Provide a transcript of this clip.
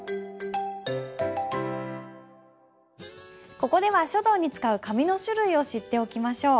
ここでは書道に使う紙の種類を知っておきましょう。